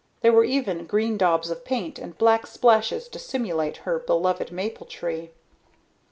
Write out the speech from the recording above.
There were even green dabs of paint and black splashes to stimulate her beloved maple tree.